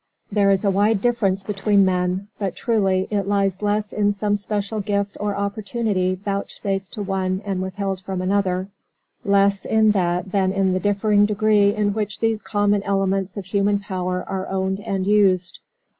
_"There is a wide difference between men, but truly it lies less in some special gift or opportunity vouchsafed to one and withheld from another, less in that than in the differing degree in which these common elements of human power are owned and used.